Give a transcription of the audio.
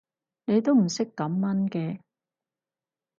你都唔識感恩嘅